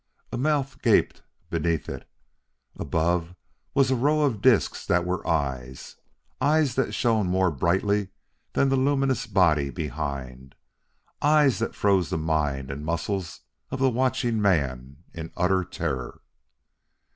A mouth gaped beneath it; above was a row of discs that were eyes eyes that shone more brightly than the luminous body behind eyes that froze the mind and muscles of the watching man in utter terror.